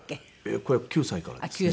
子役９歳からですね。